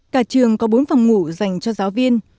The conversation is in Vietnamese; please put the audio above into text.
cả trường có bốn phòng ngủ dành cho giáo viên